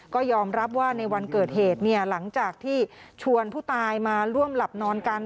ก็ยอมรับว่าในวันเกิดเหตุเนี่ยหลังจากที่ชวนผู้ตายมาร่วมหลับนอนกัน